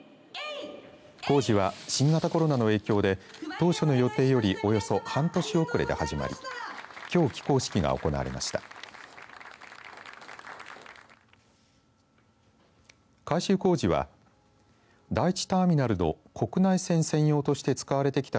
工事は新型コロナの影響で当初の予定よりおよそ半年遅れで始まりきょう起工式が行われました。